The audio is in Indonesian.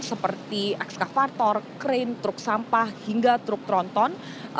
seperti ekskavator krain truk sampah hingga truk tronton